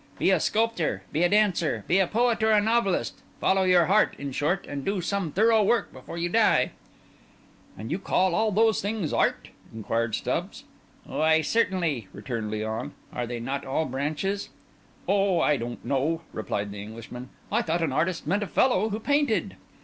"Be a sculptor, be a dancer, be a poet or a novelist; follow your heart, in short, and do some thorough work before you die." "And do you call all these things art?" inquired Stubbs. "Why, certainly!" returned Léon. "Are they not all branches?" "Oh! I didn't know," replied the Englishman. "I thought an artist meant a fellow who painted."